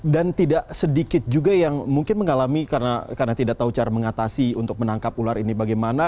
dan tidak sedikit juga yang mungkin mengalami karena tidak tahu cara mengatasi untuk menangkap ular ini bagaimana